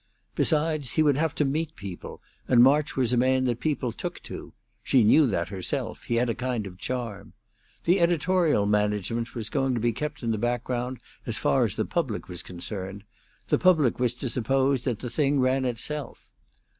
Besides, he would have to meet people, and March was a man that people took to; she knew that herself; he had a kind of charm. The editorial management was going to be kept in the background, as far as the public was concerned; the public was to suppose that the thing ran itself.